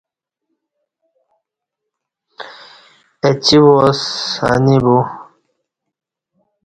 اہ چی واس انی بو